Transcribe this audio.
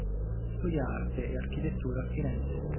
Studia arte e architettura a Firenze.